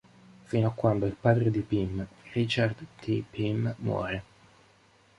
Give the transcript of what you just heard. Fino a quando il padre di Pym, Richard T. Pym, muore.